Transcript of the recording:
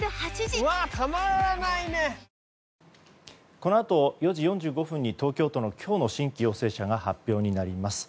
このあと、４時４５分に東京都の今日の新規陽性者が発表になります。